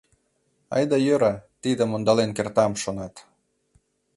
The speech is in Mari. Айда йӧра, тидым ондален кертам, шонат.